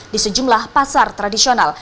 di sejumlah pasar tradisional